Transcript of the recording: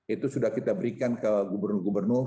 itu sudah kita berikan ke gubernur gubernur